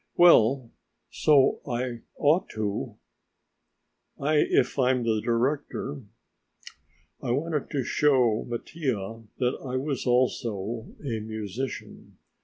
"Well so I ought to, if I'm the director." I wanted to show Mattia that I also was a musician.